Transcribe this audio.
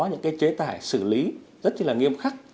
những chế tài xử lý rất nghiêm khắc